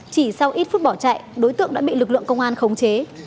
chỉ sau ít phút bỏ chạy đối tượng đã bị lực lượng công an khống chế